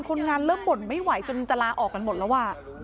คนงานเริ่มบ่นไม่ไหวจนจะลาออกกันหมดแล้วอ่ะ